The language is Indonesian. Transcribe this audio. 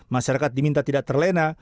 masyarakat diminta tidak terlena